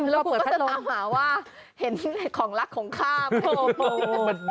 แล้วผมก็จะตามหาว่าเห็นของรักของข้าโอ้โหโอ้โห